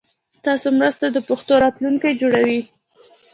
ستاسو مرسته د پښتو راتلونکی جوړوي.